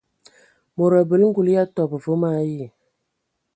Mod abələ ngul ya tobɔ vom ayi.